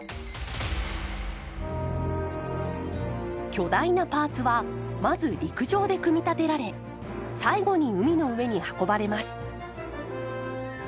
巨大なパーツはまず陸上で組み立てられ最後に海の上に運ばれます。